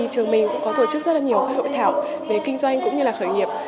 trường mình cũng có tổ chức rất nhiều hội thảo về kinh doanh cũng như khởi nghiệp